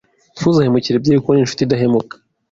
ntimuzahemukire byeri kuko ninshuti idahemuka